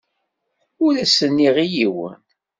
Ur as-nniɣ i yiwen.